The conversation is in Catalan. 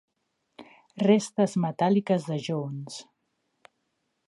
Restes metàl·liques de Jones.